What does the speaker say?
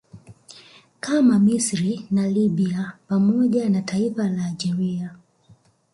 kama Misri na Libya pamoja na taifa la Algeria